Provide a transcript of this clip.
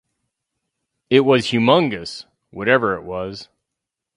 It was humongous, whatever it was.